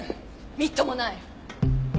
みっともない。